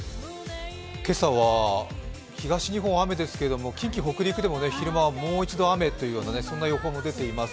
今朝は東日本、雨ですけど、近畿・北陸でも昼間はもう一度雨という予報が出ています。